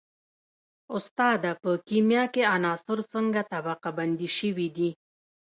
استاده په کیمیا کې عناصر څنګه طبقه بندي شوي دي